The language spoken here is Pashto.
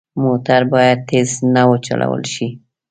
موټر باید تېز نه وچلول شي.